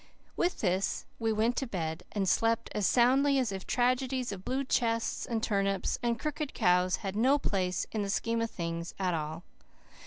With that we went to bed, and slept as soundly as if tragedies of blue chests and turnips and crooked cows had no place in the scheme of things at all.